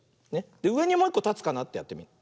うえにもういっこたつかなってやってみる。